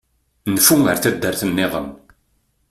Nfu ar taddart-nniḍen.